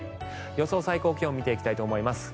予想最高気温を見ていきたいと思います。